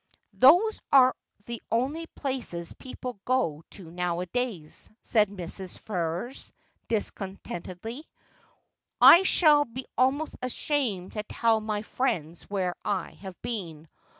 ' Those are the only places people go to nowadays,' said Mrs. Ferrers discontentedly. 'I shall be almost ashamed to tell my friends where I have been.